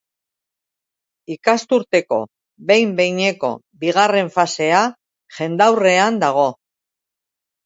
Ikasturteko behin-behineko bigarren fasea jendaurrean dago.